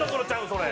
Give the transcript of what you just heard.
それ。